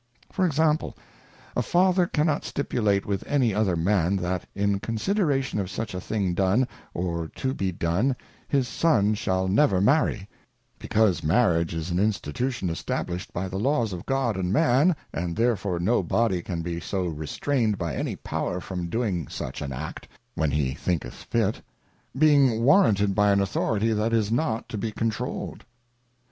For Example, A Father cannot stipulate with any other Man, that in Consideration of such a thing done, or to be done, his Son shall never Marry ; because Marriage is an Institution Established by the Laws of God, and Man, and therefore no body can be so restrained by any power from doing such an act, when he thinketh fit, being warranted by an Authority that is not to be controuled.